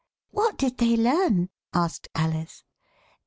What did they learn ?" asked Alice.